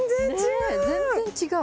全然違う！